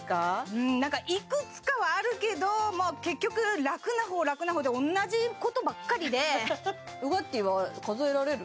うんなんかいくつかはあるけど結局楽な方楽な方で同じことばっかりでウガッティーは数えられる？